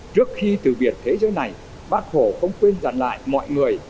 trước khi từ biệt thế giới này bác hồ không quên dặn lại mọi người